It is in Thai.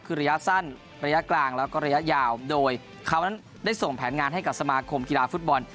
คือระยะสั้นระยะกลางแล้วก็ระยะยาวโดยเขานั้นได้ส่งแผนงานให้กับสมาคมกีฬาฟุตบอล